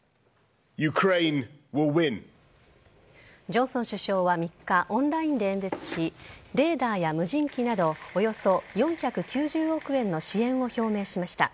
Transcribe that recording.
ジョンソン首相は３日オンラインで演説しレーダーや無人機などおよそ４９０億円の支援を表明しました。